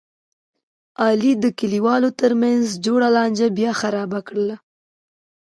علي د کلیوالو ترمنځ جوړه لانجه بیا خرابه کړله.